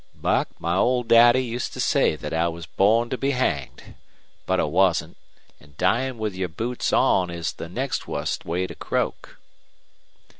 "Buck, my old daddy used to say thet I was born to be hanged. But I wasn't an' dyin' with your boots on is the next wust way to croak."